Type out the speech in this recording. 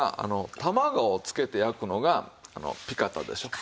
卵をつけて焼くのがピカタでしょう。